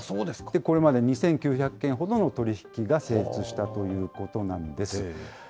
これまで２９００件ほどの取り引きが成立したということなんです。